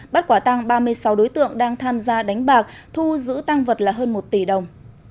bắt quả tăng ba mươi sáu đối tượng đang tham gia đánh bạc thu giữ tăng vật là hơn một tỷ đồng